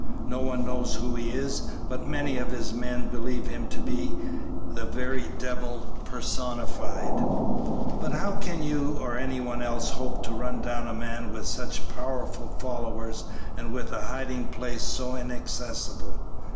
No one knows who he is, but many of his men believe him to be the very devil personified." "But how can you or any one else hope to run down a man with such powerful followers and with a hiding place so inaccessible?"